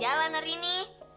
jalan hari ini